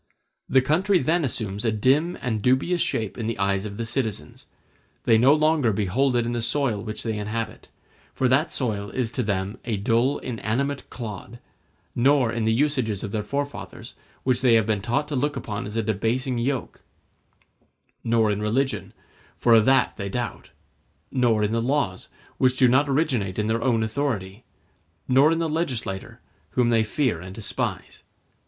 The country then assumes a dim and dubious shape in the eyes of the citizens; they no longer behold it in the soil which they inhabit, for that soil is to them a dull inanimate clod; nor in the usages of their forefathers, which they have been taught to look upon as a debasing yoke; nor in religion, for of that they doubt; nor in the laws, which do not originate in their own authority; nor in the legislator, whom they fear and despise.